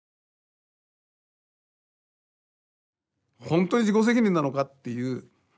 ほんとに自己責任なのかっていう。